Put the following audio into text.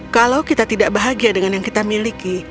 kalau kita tidak bahagia dengan yang kita miliki